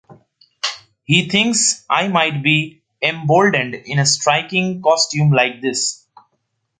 He thinks I might be emboldened in a striking costume like this.